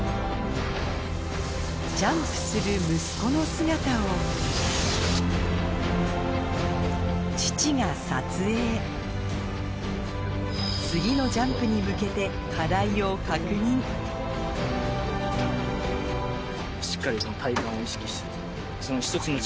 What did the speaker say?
ジャンプする息子の姿を父が撮影次のジャンプに向けて課題を確認しっかり。